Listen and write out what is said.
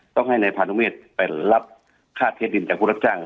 ต้องให้นายพานุเมษไปรับค่าเทดินจากผู้รับจ้าง